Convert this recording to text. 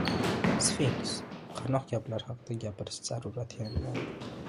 Sfinks, Qarnoq kabilar haqida gapirish zarurati ham yo‘q.